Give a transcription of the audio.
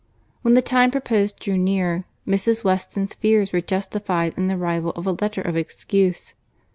When the time proposed drew near, Mrs. Weston's fears were justified in the arrival of a letter of excuse.